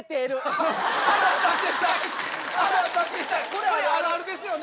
これあるあるですよね。